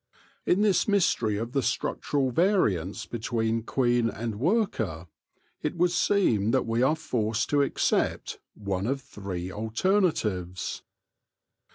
In this mystery of the structural variance between queen and worker, it would seem that we are forced to accept one of three alternatives.